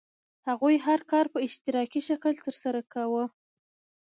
هغوی هر کار په اشتراکي شکل ترسره کاوه.